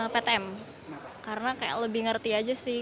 ptm karena kayak lebih ngerti aja sih